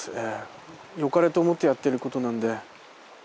ええ。よかれと思ってやってることなんで。